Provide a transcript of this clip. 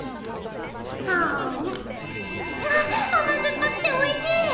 わっあま酸っぱくておいしい！